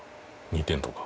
２点とか。